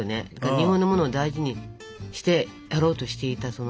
日本のものを大事にしてやろうとしていたその。